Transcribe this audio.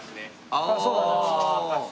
ああそうだね。